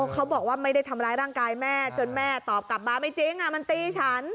เขาบอกว่าไม่ได้ทำร้ายร่างกายแม่จนแม่ตอบกลับมาไม่จริงมันตีฉัน